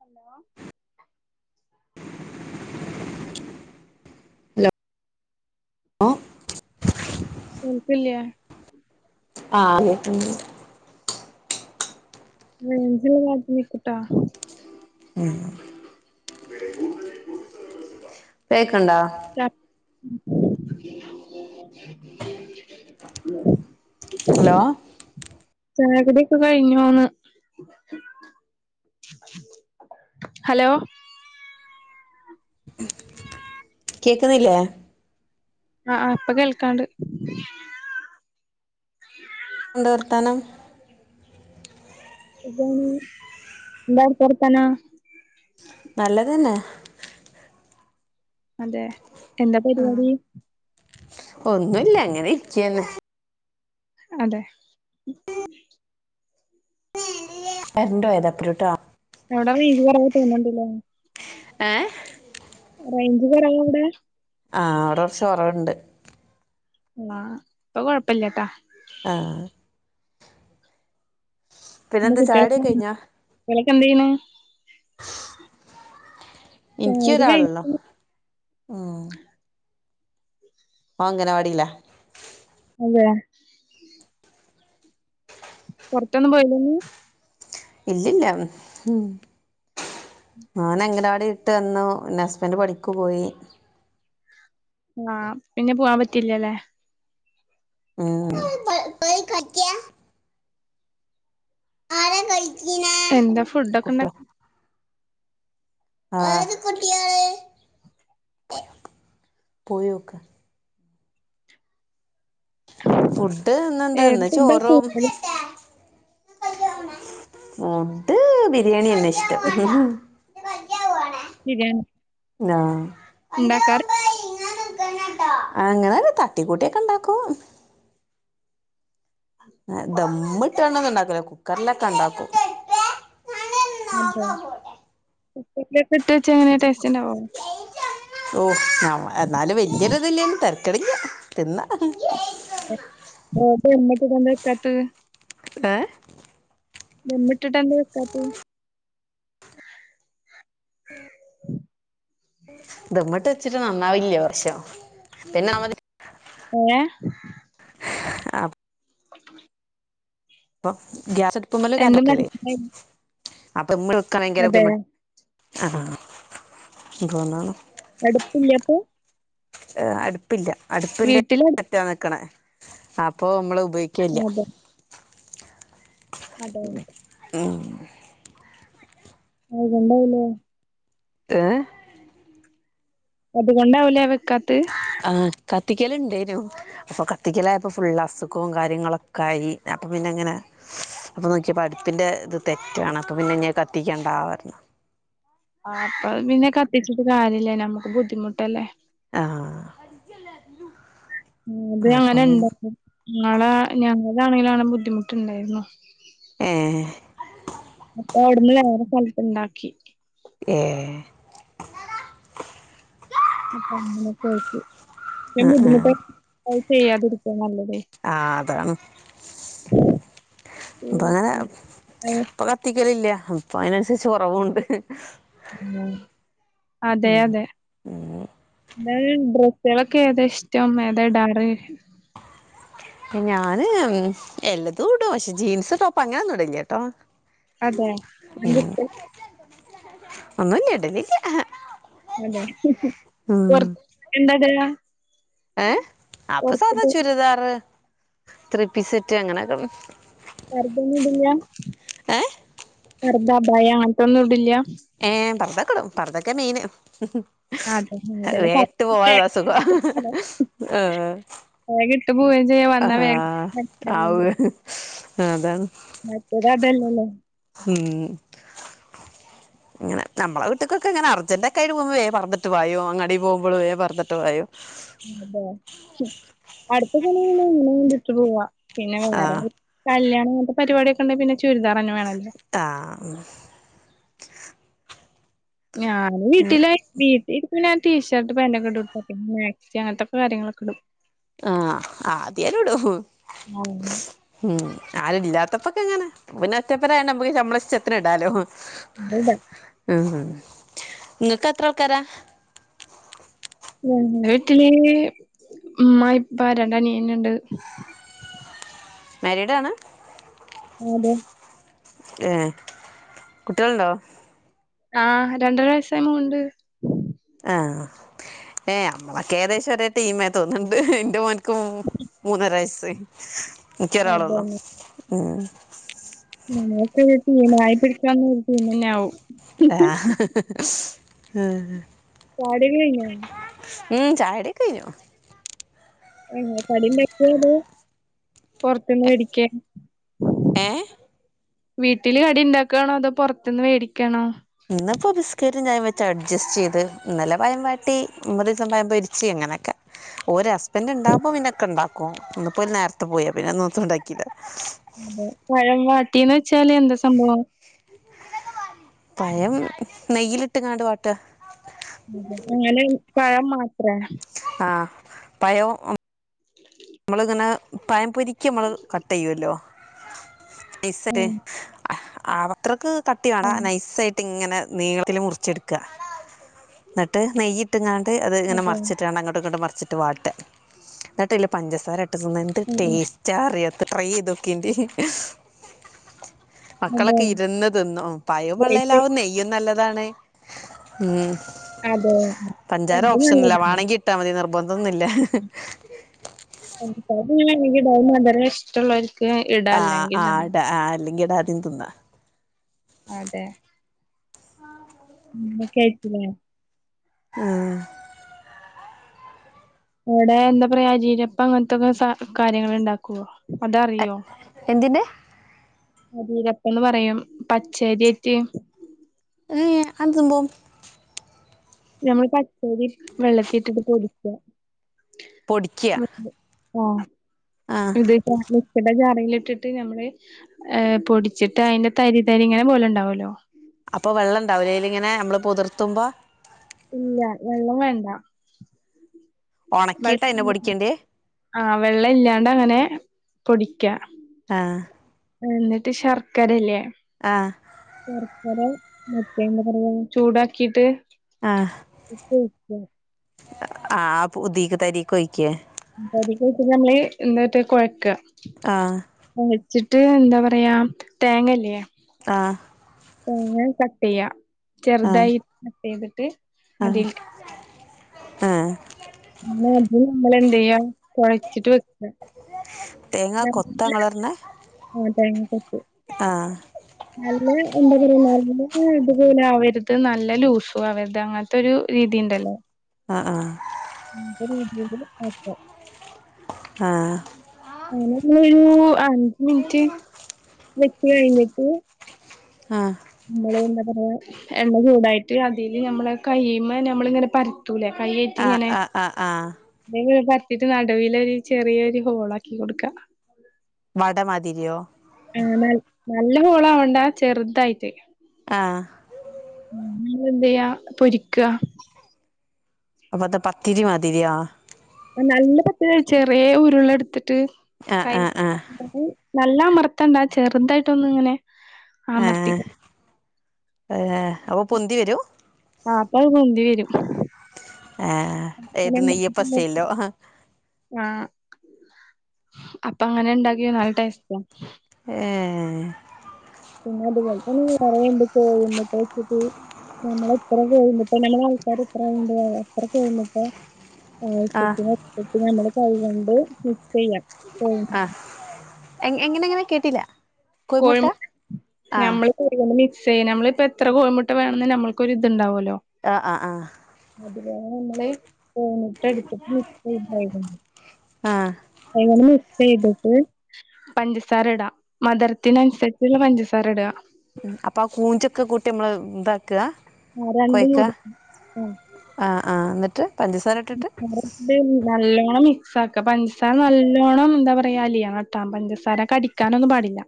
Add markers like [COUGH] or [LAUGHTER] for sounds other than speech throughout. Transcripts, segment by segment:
Hello ആഹ് കേൾക്കല്ല്യ ആഹ് കേൾക്ക്ണ്ട് റൈഞ്ച്ല് വാത്ത് നിക്ക്ട്ടൊ ആഹ് കേക്ക്ണ്ടാ [UNINTELLIGIBLE] ഹലോ ചായ കുടിയൊക്കെ കഴിഞ്ഞോന്ന് ഹലോ കേക്കുന്നില്ലേ ആഹ് ഇപ്പൊ കേൾക്കാണ്ട് കൊണ്ടുവർത്താനം സുഖാണ് എന്താ അവിടുത്തെ വർത്താനം നല്ലതന്നെ അതെ എന്താ പരിപാടി ഒന്നുല്ല ഇങ്ങനെ ഇരിക്കന്നെ അതെ [UNINTELLIGIBLE] അവിട വീതികുറവ് തോന്നൊണ്ടില്ലേ ഏഹ് റേഞ്ച് കൊറെ വിടെ ആ് അവിടെറച്ച് കൊറവ്ണ്ട്. ആ ഇപ്പ കൊഴപ്പല്ലട്ടാ. ആഹ് എന്തെ പിന്നെന്താ കുട്ടികളൊക്കെ ചായുടിയൊക്കെ വന്ന കഴിഞ്ഞോ കുട്ടികളൊക്കെ എന്ത്‌ ചെയ്യണ ഇനിക്ക്‌ ചായകുടി കഴി ഒരാളൊള്ളൂ ഉം ഓൻ അങ്ങനവാടില അതെ പുറത്തൊന്നും പോയലെ ഇന്ന് ഇല്ലില്ല ഉം മോന് അങ്ങനവാടി വിട്ട് വന്നു പിന്നെ ഹസ്ബന്റെ പണിക്കു പോയി ആ പിന്നെ പോവാാൻ പറ്റ്ല്ലല്ലേ? ആ ആരാ കളിക്കണേ എന്താ ഫുഡ് ഒക്കെണ്ട കുട്ടിയോ [UNINTELLIGIBLE] ഫുഡ്ന്ന ഏത് എന്താന്നാ ഫുഡാ ചോറും കൂടുതലും ഫുഡ് ബിരിയാണി യണെ ഇഷ്ടം. പിരിയാണ് ആ അങ്ങനെ തട്ടിക്കൂട്ടിയൊക്കെ ഇണ്ടാക്കും. ദമ്മിട്ടാടൊന്നുംണ്ടാക്കൂല കുക്കറിലൊക്കെ ഉണ്ടാക്കും. അതെ കുക്കറിലൊക്ക ഇട്ട വെച്ച എങ്ങനെയ ടേസ്റ്റ് ഉണ്ടാവോ ഓ ഞാ എന്നാലും വല്യോരു ഇതില്ലെങ്കിലും തരക്കട്ല്ല തിന്ന. ഉം ഓൽത് എന്നിട്ട് ഇതെന്താ ട്കാത്ത് ഏ ദമ്മ്ട്ട്ട്ടെന്താ ഇട്ക്കാത്ത് ദമ്മ്ട്ട് വെച്ചിട്ട് നന്നാവില്യേ കൊർച്ചേരം പിന്നെ നമ്മ ങ്ങെ ആഹ് [INAUDIBLE] പ്പോ ഗ്യാസത്ട്പ്പ്മ്മലു എന്ത് കരൻ്റൊക്കലേ മനസ്സിലായി അതെ. അപ്പമ്മൾക്കാണങ്കിലുദ്ധിമു ആഹ് ങ്കോന്ന അടുപ് ല്യപ്പോ ആഹ് അട്പ്പില്യ അട്പ്ന്റെ വീട്ടിലട് മറ്റാ നക്ക്ണേ അപ്പൊ മ്മള് ഉപ അതെ അതെ. ഉം അതൊണ്ടാവൂലേ തേ അത്കൊണ്ടാവുലെ വെക്കാത്ത് ആഹ് കത്തിക്കല്ണ്ടേനു പ്പൊ കത്തിക്കലായപ്പോ ഫുള്ള് അസുഖു കാര്യങ്ങളൊക്കെയി. അപ്പൊ പിന്നെങ്ങനെ അപ്പൊ നോക്കിയപ്പോ അട്പ്പിന്റെത് തെറ്റാണ്. അപ്പ പിന്നെഞ്ഞഅ് കത്തിക്കണ്ടാ പർഞ്ഞു ആഹ് അപ്പ പിന്നെ കത്തിച്ചിട്ട് കാര്യല്ല്യ. നമ്മക്ക് ബുദ്ധിമുട്ടല്ലേ? ആഹ് ഉം ത്അങ്ങനെ അപ്പം ഇണ്ട ങ്ങളാ ഞങ്ങളാണെങ്കിലാണ് ബുദ്ധിമുട്ട്ണ്ടായ്ര്ന്നോ ഏഹ് അപ്പ അവ്ട്ന്ന് വേറെ സ്ഥൽത്ത് ണ്ടാക്കി ഏ അപ്പ അങ്ങനെക്കായ്റ്റ് ആഹ് ആഹ് ഞാൻബുദ്ധിമുട്ട അഅ് ചെയ്യാതിരിക്കാ നല്ലതെയ് ആഹ് അതാണ് പ്പഅങ്ങനെ ഉം, പ ത്തിക്കലില്യ അപ്പൊയിനൻസരിച്ച് കൊറവുണ്ട്. ഉം അതെ അതെ എന്നാ ഡ്രെസ്സുകളൊക്കെ ഏതാ ഇഷ്ടം ഏതാ ഇടാറ് ഞാന്ൻ എല്ലതും ഇടും പക്ഷെ ജീൻസ് ടോപ്പ് അങ്ങനൊന്നും ഇടല്ല കേട്ടോ അതെ എന്താ സ്പെ ഒന്നുല്യ ഇഡലി [UNINTELLIGIBLE] ഏഹ് അപ്പൊസാദാ പൊറത്ത്ക്ക് ചുരിദാറ്. ത്രീപി സെറ്റ് അങ്ങനെക്കെള് പർദന്നുടൂല്യ ഏ പർദ്ദ അഭായ ആൺ തൊന്നുടില്യ ഏ പർദക്കടും പർദോക്കെ മെയ്ന്. അതെ അതന്നെ പ വേട്ട് പോവാ താസുഖം ആഹ് വേഗം ഇട്ട് പോവേം ചെയ്യാ വന്നാ വേഗം ആഹ് ആവ്വ് അതാണ് മറ്റതല്ലല്ലോ ഉം [UNINTELLIGIBLE] ഇങ്ങനെ നമ്മള് വീട്ടിക്കൊക്കെങ്ങനെ അർജന്റ ഒക്കെ ആട്ട് പോക്കുവേ വേം പർദ്ദട്ട് പായും അങ്ങാടി പോകുമ്പോൾ വേം പർദ്ദട്ട് പായും അതെ അടുത്ത കണെ ഇങ്ങനെ എവിട്ടു പോവാ പിന്നെ ആ വേറെ കല്യാണം അങ്ങനത്തെ പരുപാടിയൂണ്ടാക്കി ഉണ്ട് പിന്നെ ചുര്താറെന്നെ വേണല്ലേ താ ഞാന് ഉം. വീട്ടില്ല വീട്ടിൽ പിന്നെ ടീഷർട്ട് പന്റൊക്കെ ഇടും തന്നെ മാക്സി അങ്ങനത്തെക്കെ കാര്യങ്ങളൊക്കെ ഇടും ആഹ് അത് ഞാനും ഇടും ആഹ് ഉം ആരും ഇല്ലാത്തപ്പൊക്കെ എങ്ങനെ പിന്നെ ഒറ്റപ്പനായ നമ്മക്ക് ഇഷ്ടത്തിന് ഇണ്ടാലോ ഉന്ന ആഹ് നിങ്ങക്ക് അത്ര ആൾക്കാരാ ഞങ്ങ വീട്ടില് ഉമ്മ ഉപ്പ രണ്ടു അനിയൻമാരുണ്ട് മാരീഡ് ആണ് അതെ എഹ് കുട്ടികളുണ്ടോ ആഹ് രണ്ടരാ വയിസുല്ലമോളെയുണ്ട് ആഹ് നമ്മളൊക്കെ ഏകദേശം ഒരേ ടീമം തോന്നുന്നുണ്ട് എന്റെ മോൻ മൂന്നര വായിസ് എനിക് ഒരാളെള്ളൂ അതന്നെ നമുക്കൊരു തടീ ആയി പിടിക്കാവുന്ന ഒരു ടീം തന്നെ ആകവും ആഹ് [UNINTELLIGIBLE] ഉം ചായകുടിയൊക്കെ കഴിഞ്ഞു ഏഹ് കടിയുണ്ടാക്കിയോ അതൊ പൊറത്തന്ന് മേടിക്കൻ ഏഹ് വീട്ടില് കടി ഉണ്ടാക്കവാണോ അതൊ പുറത്തുന്ന് മേടിക്കാണോ ഇന്നിപ്പോ ബിസ്ക്കറ്റ് ചായയും വെച്ച അഡ്ജസ്റ്റ് ചെയ്ത് ഇന്നലെ പയം വാട്ടി [UNINTELLIGIBLE] പൊരിച്ച അങ്ങനെയൊക്കെ ഒരു ഹുസ്ബൻഡ് ഉണ്ടാവുമ്പോ പിന്നൊക്കെ ഉണ്ടാക്കും ഒന്ന പോയി നേരത്തെ പിന്നെന്നത്ത ഉണ്ടാക്കില്ല പഴം വാട്ടി എന്ന് വെച്ചാല് എന്താ സംഭവം പഴം നെയ്യിലിട്ട് ക്കാണ്ട് വാട്ട ഇങ്ങനെ പഴം മാത്രാ ആഹ് പയോം ഒ ഇമ്മള് ഇങ്ങനെ പയം പൊരിക്ക് ഇമ്മള് കട്ടെയ്യുല്ലോ നൈസ്സെ റ്റ് ഉം അ ആവത്രക്ക് കട്ടി വേണ്ടാ ഉം നൈസൈറ്റ് ട്ടിങ്ങനെ നീളത്തില് മുറിച്ച്ട്ക്ക ഇന്ന്ട്ട് നെയ്യ് ഇട്ട്ങ്ങാണ്ട് അത് ഇങ്ങനെ അതെ. മറിച്ച്ട്ട്കാണ്ട് അങ്ങട്ടും ഇങ്ങട്ടും മറിച്ച്ട്ട് വാട്ട്അ ഇന്ന്ട്ട്ള്ള പഞ്ചസാര ഇട്ട് തിന്ന്എന്നെ ട്ട് ഉം, ഉം. ടേസ്റ്റാ അറിയോ ഇത് ട്രൈയീതോക്കീണ്ട് അതെ. മക്കളെക്കെ ഇരുന്ന് തിന്നും പയും ഗ്രേപ്പ് പള്ളേലാവുനെയ്യും നല്ലതാണ് ഉം അതെ. അത് പഞ്ചാരഓപ്ഷൻല്ല നല്ലതല്ലേ. വണെങ്കി ട്ടാ മതി നിർബന്തൊന്നുല്ല പഞ്ചസാര ങ്ങ്നേണ്ടങ്കിടാ അഅ് മധുരഷ്ട്ടള്ളോര് [UNINTELLIGIBLE] ആഹ് ആടാ ആഹ് അല്ലെങ്കിൽ ആദ്യം തിന്ന അതെ ഉമ്മു കയിച്ചിലേ ഉം എവിടെ എന്തപറയാ ജീരപ്പം അങ്ങൻത്താെക്കെ സാ കാര്യങ്ങ ള് ഇണ്ടാക്കുവോ അതറിയോ എന്തിന്റെ ആഹ് ജീരപ്പംന്ന് പറയും പച്ചര്യേറ്റ് ഏഹ് അതെന്താണ് നമ്മളെപച്ചരി വെള്ളത്തിട്ടിട്ട് പൊടിക്ക പൊടിക്കുക [UNINTELLIGIBLE] ആഹ് ആ [UNINTELLIGIBLE] മിക്സിയുടെ ജാറിലിട്ടിട്ട് ഞമ്മള് ഏ പൊടിച്ചിട്ട് അയ്ന്റെ തരി തരിങ്ങനെ പോലെണ്ടാവുലോ അപ്പൊ വെള്ളണ്ടാവുലേയ്ലിങ്ങനെ നമ്മ്ള് പൊത്ർത്തുമ്പോ ഇല്ല വെള്ളം വേണ്ട വൾ ഉണക്കിയിട്ട് അതിനെ പൊടിക്കണ്ടേ ആവെള്ളല്യാണ്ടങ്ങനെ പൊടിക്യ ആഹ് ഉം ന്നിട്ട് ശർക്കരല്യേ ആഹ് ശർക്കര മറ്റേ എന്താ പറയാ ചൂടാക്കീട്ട് ആഹ് ആപുതീക്ക് തരീകൊഴിക്കേ ഉം പൊതിക്കൊയ്ക്കുന്നർഞ്ഞഅ് എന്താട്ടാ കൊഴക്കാ ആഹ് അരച്ചിട്ട് എന്താ പറയാ തേങ്ങല്ലേ ആഹ് തേങ്ങ കട്ട് ചെയ്യാ ആഹ് ചെർതായി കട്ട് ചെയ്തിട്ട് ആഹ് അതിൽക്ക് ആഹ് പിന്നെ അത് നമ്മൾ എന്തേയ്യാ കുഴച്ചിട്ട് വെക്ക തേങ്ങാ കൊത്ത നല്ല ങ്ങളർഞ്ഞെ ആ തേങ്ങക്കൊത്ത് ആഹ് നല്ല എന്താ പറയാ നല്ല ഇതുപോലെ ആവര്ത് നല്ല ലൂസും ആവര്ത് അങ്ങ ത്തൊരു രീതി ഇണ്ടല്ലോ ആഹ് ആഹ് [UNINTELLIGIBLE] ആഹ് അങ്ങനൊരു അഞ്ച് മിനിറ്റ് വെച്ച് കഴിഞ്ഞിട്ട് ആഹ് നമ്മള് എന്താ പറയാ എണ്ണ ചൂടായിട്ട് അതില് നമ്മളെ കയ്യിമ്മെ നമ്മള് ഇങ്ങനെ പര് ത്തൂലേ ആഹ് കൈഏറ്റിങ്ങനെ ആഹ് ആഹ് ആഹ് [UNINTELLIGIBLE] പര്ത്തീട്ട് നടുവില് ഒരു ചെറിയരു ഹോളാക്കി കൊടുക്കാ വട മാതിരിയോ ആ ന നല്ല ഹോളാവണ്ടാ ചെർതായിട്ട് ആഹ് പിന്നെന്തയ്യാ പൊരിക്ക അപ്പൊത്താ പത്തിരി മാതിരിയൊ നല്ല [UNINTELLIGIBLE] ചെറിയ ഉരുള എടുത്തിട്ട് ആഹ് കൈ ആഹ് ആഹ് നല്ലമർത്തണ്ടാ ചെർതായിട്ടൊന്ന്ങ്ങനെ ഏഹ് ഏഹ് അപ്പൊ പൊന്തി വരും ആ അപ്പൊത് പൊന്തി വരും ഏഹ് ഏത് നെയ്യപ്പസ്റ്റൈയിൽലോ ആഹ് അപ്പം അങ്ങനെ ഇണ്ടാക്കിയ നല്ല ട്ടെസ്റ്റ ഏഹ് പിന്നെ അതുപോലെ തന്നെ കൊറെ [UNINTELLIGIBLE] [UNINTELLIGIBLE] [UNINTELLIGIBLE] ആഹ് ആവശ്യത്തിന് ആവശ്യത്തിന് നമ്മള് കൈകൊണ്ട് മിക്സ് ചെയ്യാ കോഴി ആഹ് എങ്ങനെങ്ങനെ കേട്ടില്ല കോഴി കോഴിമുട്ട ആഹ് ഞമ്മള് മിക്സ് ചെയ്യ നമ്മളിപ്പോ എത്ര കോഴിമുട്ട വേണന്ന് നമ്മൾക്കൊരിത്ണ്ടാവോല്ലോ ആഹ് ആഹ് ആഹ് അതുപോലെ നമ്മള് കോഴി മുട്ട ഇട്ത്തിട്ട് [UNINTELLIGIBLE] ആഹ് കൈ കൊണ്ട് മിക്സ് ചെയ്തിട്ട് പഞ്ചസാര ഇട മധര് ത്തിനൻസരിച്ച്ള്ള പഞ്ചസാര ഇട ഉം അപ്പൊ ആ ഫൂഞ്ചൊക്കെ കൂട്ടി നമ്മള് ഇതാക്കാ ആ രണ്ടും കൊട് ആഹ് ആഹ് ആഹ് ന്നിട്ട് പഞ്ചസാര ഇട്ടിട്ട് ഇത് നല്ലോണം മിക്സ് ആക്ക പഞ്ചസാര നല്ലോണം എന്താ പറയാ അലിയണട്ടോ പഞ്ചസാര കടി ക്കാനൊന്നും പാടില്ല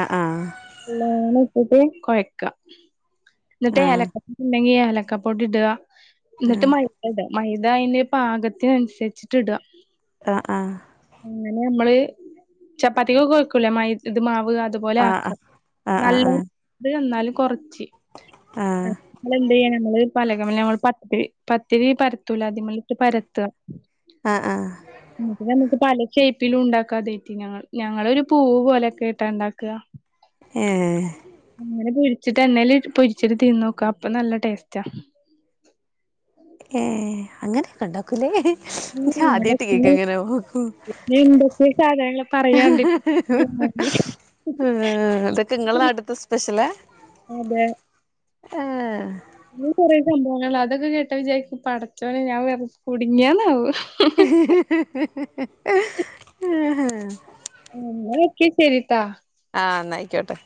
അ ആഹ് നല്ലോണം ഇട്ടിട്ട് കൊയക്ക ന്നട്ട് ആ ഏലക്ക പൊടി ഉണ്ടെങ്കി ഏലക്ക പൊടി ഇട ആ ന്നട്ട് മൈദ ഇട മൈദ അയില് പാകത്തിനൻസരിച്ചിട്ട് ഇട ആഹ് ആഹ് അങ്ങനെ നമ്മള് ചപ്പാത്തികൊക്കെ കുഴക്കൂലേ മ ഇത് മാവ് അതുപോലെ ആ ആ ആക്ക ആ ആ നല്ലത് എന്നാലും കുറച്ച് ആ നമ്മ എന്ത് ചെയ്യ നമ്മള് പലകിൽ മ്മൾ പ [UNINTELLIGIBLE] പത്തിരി പ തുലാദിമള്ളിട്ട് പരത്തുക ആ ആ നമുക്ക് പല ഷേപ്പിലും ഉണ്ടാക്കാതെ ഞങ്ങ ഞങ്ങളരു പൂവ് പോലെൊക്കെ ഇട്ടാ ഇണ്ടാക്കുക മ് അങ്ങനെ പൊരിച്ചിട്ട് എണ്ണേൽ പൊരിച്ചിട്ട് നോക്ക അപ്പൊ നല്ല ടേസ്റ്റാ മ് അങ്ങനെയൊക്കെ ഉണ്ടോ ഞാൻ ആദ്യട്ട് കേക്കങ്ങനെ പോക്കും എന്തൊക്കെ സാധനങ്ങള് പറയാണ്ട് [UNINTELLIGIBLE] അ അതൊക്കെ ഇങ്ങള നാട്ടത്തെ സ്പെഷ്യലാ ആ ഇ കൊറേ സംഭവങ്ങ അതൊക്കെ കേട്ട വിചാരിരിക്ക പടച്ചോനെ ഞാൻ വെറ കുടുങ്ങിയന്നാവു ഹാ ഹാ ഹാ മ് എനിക്കെ ശരിട്ടാ ആ എന്നായിക്കോട്ടെ